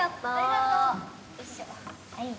はい。